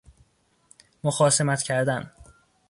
مخاصمت کردن